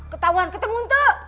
ketahuan ketemu tuh